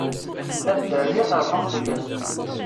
La dderya ternuḍ fell-as.